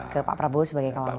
ke pak prabowo sebagai kawan kawan